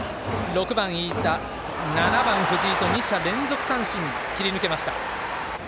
６番、飯田、７番、藤井と二者連続三振、切り抜けました。